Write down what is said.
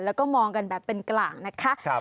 แล้วก็มองกันแบบเป็นกลางนะคะ